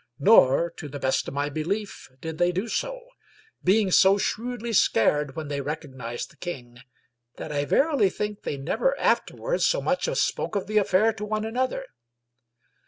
Nor to the best of my belief did they do so, being so shrewdly scared when they recognized the king that I verily think they never afterwards so much as spoke of the affair to one another.